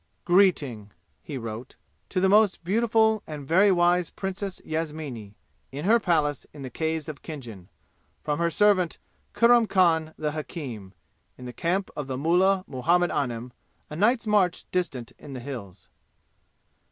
"Greeting,"' he wrote, "to the most beautiful and very wise Princess Yasmini, in her palace in the Caves in Khinjan, from her servant Kurram Khan the hakim, in the camp of the mullah Muhammad Anim, a night's march distant in the hills.